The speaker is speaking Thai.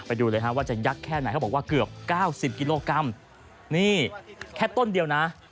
ไปดูเลยฮะว่าจะยักษ์แค่ไหนเขาบอกว่าเกือบเก้าสิบกิโลกรัมนี่แค่ต้นเดียวนะ